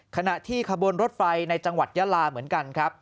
ขณะที่ขบวนรถไฟในจังหวัดยาลาเหมือนกันครับ